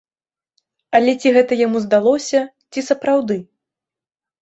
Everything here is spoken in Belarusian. Але ці гэта яму здалося, ці сапраўды?